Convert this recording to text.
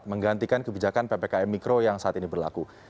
menggantikan kebijakan ppkm mikro yang saat ini berlaku